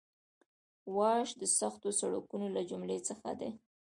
واش د سختو سړکونو له جملې څخه دی